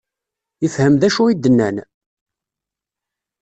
Yefhem d acu i d-nnan?